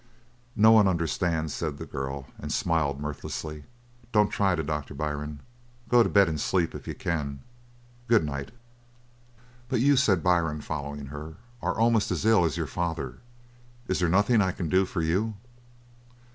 "No one understands," said the girl, and smiled mirthlessly. "Don't try to, Doctor Byrne. Go to bed, and sleep. If you can. Good night." "But you," said Byrne, following her, "are almost as ill as your father. Is there nothing I can do for you?"